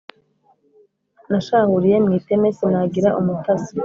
Nashahuliye mu iteme, sinagira umutasi,